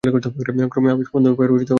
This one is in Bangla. ক্রমে আপিস বন্ধ হইবার সময় আসিল।